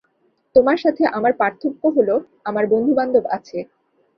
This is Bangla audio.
তোমার সাথে আমার পার্থক্য হলো, আমার বন্ধু-বান্ধব আছে।